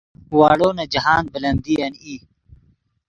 واڑو نے جاہند بلندین ای